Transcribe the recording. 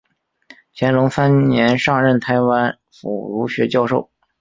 乾隆三年上任台湾府儒学教授。